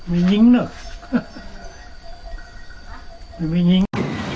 มียิ้งหน่อยมียิ้ง